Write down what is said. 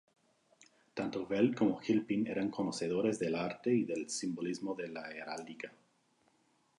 Tanto Weld como Gilpin eran conocedores del arte y el simbolismo de la heráldica.